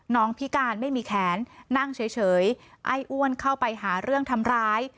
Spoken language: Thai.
พิการไม่มีแขนนั่งเฉยไอ้อ้วนเข้าไปหาเรื่องทำร้าย